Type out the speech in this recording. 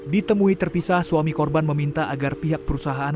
ditemui terpisah suami korban meminta agar pihak perusahaan